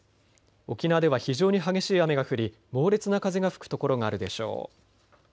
沖縄では非常に激しい雨が降り猛烈な風が吹く所があるでしょう。